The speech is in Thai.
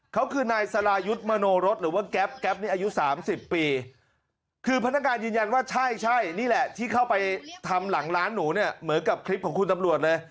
เขาคือนายสรายุทธ์มโนรสหรือว่าแก๊ปแก๊ปนี่อายุสามสิบปีคือพนักงานยืนยันว่าใช่ใช่นี่แหละที่เข้าไปทำหลังร้านหนูเนี่ยเหมือนกับคลิปของคุณตำรวจเลย